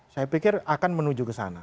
saya pikir akan menuju ke sana